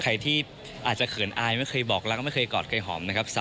ใครที่อาจจะเขินอายไม่เคยบอกแล้วก็ไม่เคยกอดไก่หอมนะครับ